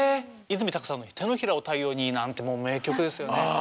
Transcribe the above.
いずみたくさんの「手のひらを太陽に」なんてもう名曲ですよね。